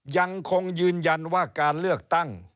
ยังคงยืนยันว่าการเลือกตั้ง